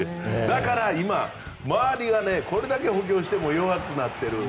だから今、周りがこれだけ補強しても弱くなっている。